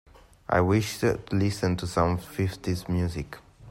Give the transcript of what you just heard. I wish to listen to some fifties music.